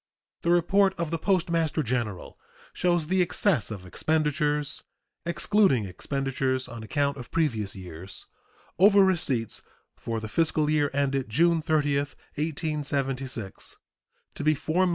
The report of the Postmaster General shows the excess of expenditures (excluding expenditures on account of previous years) over receipts for the fiscal year ended June 30, 1876, to be $4,151,988.